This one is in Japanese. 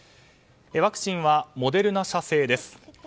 ワクチンはモデルナ社製です。